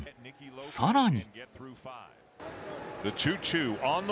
さらに。